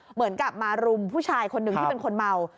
เหมือนกับมารุมผู้ชายคนหนึ่งที่เป็นคนเมา